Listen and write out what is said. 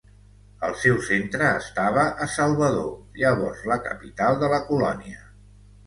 El seu centre estava a Salvador, llavors la capital de la colònia.